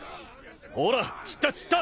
ほら散った散った！